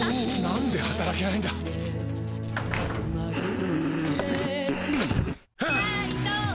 なんで働けないんだクフン！